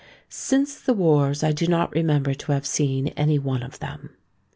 Since the wars I do not remember to have seen any one of them."